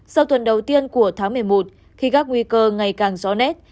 sau tuần đầu tiên của tháng một mươi một khi các nguy cơ ngày càng rõ nét